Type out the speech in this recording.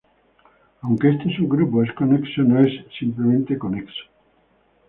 Aunque este subgrupo es conexo no es simplemente conexo.